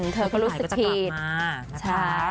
เธอก็รู้สึกผิดแล้วก็จะกลับมากนะคะ